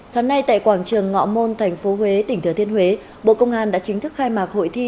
sáng nay tại quảng trường ngọ môn tp huế tỉnh thừa thiên huế bộ công an đã chính thức khai mạc hội thi